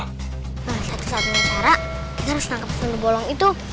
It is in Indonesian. nah saat itu saat mencara kita harus menangkap sundelbolong itu